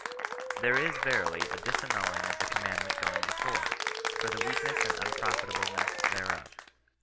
'" There is verily a disannulling of the com mtodment going before, for the weakness and unprofit ableness thereof.